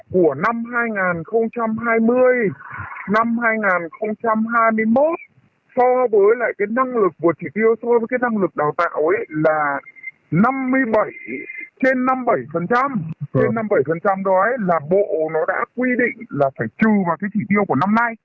của năm hai nghìn hai mươi năm hai nghìn hai mươi một so với lại cái năng lực của chỉ tiêu thôi với cái năng lực đào tạo ấy là năm mươi bảy trên năm mươi bảy trên năm mươi bảy đó là bộ nó đã quy định là phải trù vào cái chỉ tiêu của năm nay